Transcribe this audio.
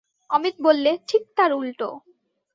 অমিত বললে, ঠিক তার উলটো।